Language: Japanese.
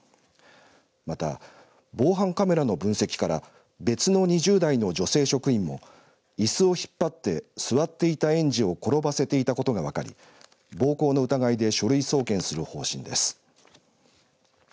また防犯カメラの分析から別の２０代の女性職員もいすを引っ張って座っていた園児を転ばせていたことが分かり暴行の疑いで書類送検する方針です。